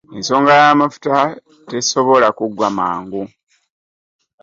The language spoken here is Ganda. Ensonga y'amafuta tesobola kuggwa mangu.